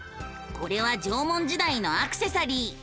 これは縄文時代のアクセサリー。